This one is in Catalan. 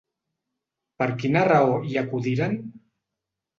Per quina raó hi acudiren?